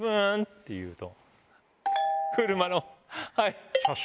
っていうと。